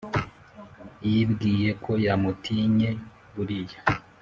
yibwiye ko yamutinye buriya